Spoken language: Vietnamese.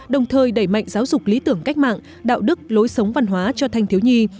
đồng thời đẩy mạnh giáo dục lý tưởng cách mạng đạo đức lối sống văn hóa cho thanh thiếu nhi